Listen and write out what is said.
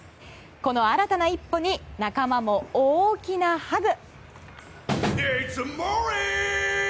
この新たな一歩に仲間も大きなハグ。